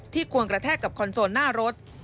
ควรกระแทกกับคอนโซลหน้ารถ